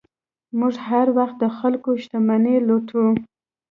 موږ هر وخت د خلکو شتمنۍ لوټو.